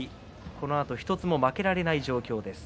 このあと１つも負けられない状況です。